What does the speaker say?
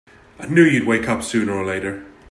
I knew you'd wake up sooner or later!